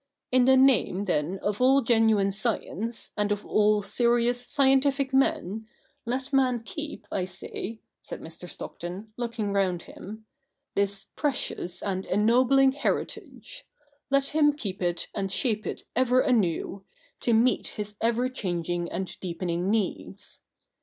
In the name, then, of all genuine science, and of all serious scientific men, let man keep, I say,' said Mr. Stockton, looking round him, ' this precious and en nobling heritage — let him keep it and shape it ever anew, to meet his ever changing and deepening needs.